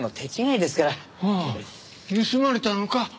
盗まれたのか？